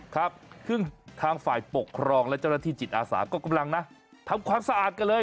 ครับซึ่งทางฝ่ายปกครองและเจ้าหน้าที่จิตอาสาก็กำลังนะทำความสะอาดกันเลย